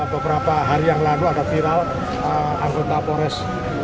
beberapa hari yang lalu ada viral anggota pores